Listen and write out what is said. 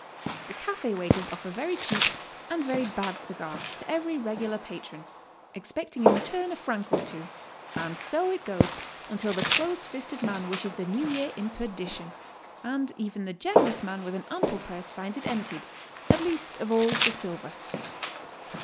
The cafe waiters offer a very Cheap and very bad cigar to every regular patron, expecting in return a franc or two. And so it goes until the close fisted man wishes the New Year in perdition, and even the generous man with an ample purse finds it emptied, at least of all the silver.